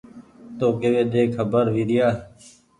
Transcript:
تو ڪيوي ۮي کبر ويريآ